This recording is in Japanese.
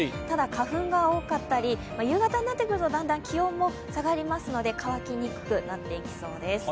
ただ、花粉が多かったり夕方になってくるとだんだん気温も下がりますので乾きにくくなっていきそうです。